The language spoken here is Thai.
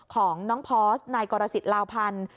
ของน้องพอร์สนายกรสิทธิลาวพันธ์